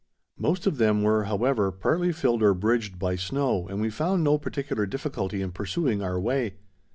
Most of them were, however, partly filled or bridged by snow and we found no particular difficulty in pursuing our way.